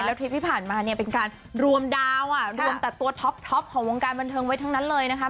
แล้วทริปที่ผ่านมาเนี่ยเป็นการรวมดาวอ่ะรวมแต่ตัวท็อปของวงการบันเทิงไว้ทั้งนั้นเลยนะคะ